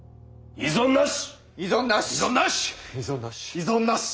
異存なし。